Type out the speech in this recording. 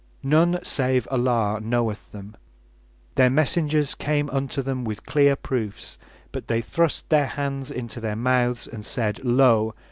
None save Allah knoweth them. Their messengers came unto them with clear proofs, but they thrust their hands into their mouths, and said: Lo!